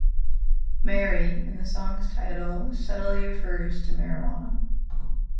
"Mary" in the song's title subtly refers to marijuana.